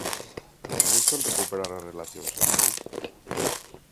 Buscan recuperar as relacións sociais?